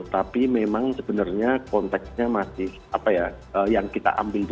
tapi memang sebenarnya konteksnya masih apa ya yang kita ambil itu